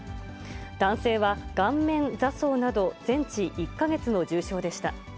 男性は、顔面挫創など全治１か月の重傷でした。